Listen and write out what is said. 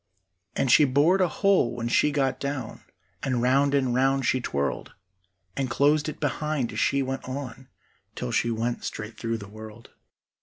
And she bored a hole when she got down, And round and round she twirled, And closed it behind as she went on, Till she went straight through the world.